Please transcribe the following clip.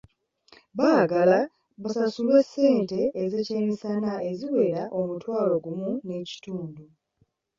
Baagala basasulwe ssente z'ekyemisana eziwera omutwalo gumu n'ekitundu.